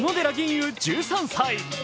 雲１３歳。